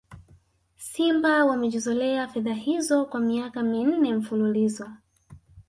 Simba wamejizolea fedha hizo kwa miaka minne mfululizo